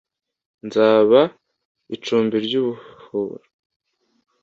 nzaba icumbi ry'ubuhoro